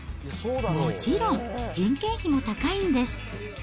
もちろん人件費も高いんです。